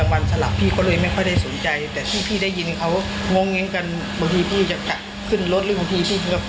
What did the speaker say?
ปกติที่ทะเลาะกันก็ได้ยินเสียงพี่ผู้หญิง